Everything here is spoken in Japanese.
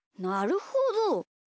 なるほど。